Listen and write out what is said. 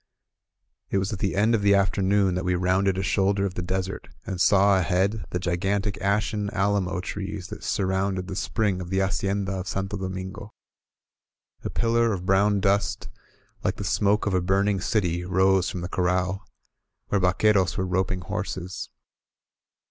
•.. It was at the end of the afternoon that we rounded a shoulder of the desert and saw ahead the gigantic ashen alamo trees that surrounded the spring of the Hacienda of Santo Domingo. A pillar of brown dust, like the smoke of a burning city, rose from the corral, where vaqtieros were roping horses.